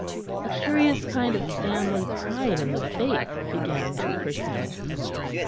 A curious kind of family pride in the Faith began to prick him.